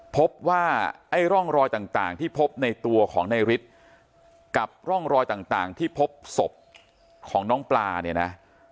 พบว่าไอ้ร่องรอยต่างที่พบในตัวของนายฤทธิ์กับร่องรอยต่างที่พบศพของน้องปลาเนี่ยนะ